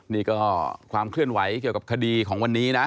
นี่ก็ความเคลื่อนไหวเกี่ยวกับคดีของวันนี้นะ